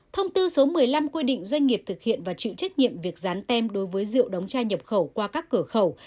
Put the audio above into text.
thông tư số một mươi năm quy định doanh nghiệp thực hiện và chịu trách nhiệm việc dán tem đối với rượu đóng chai nhập khẩu qua các cửa khẩu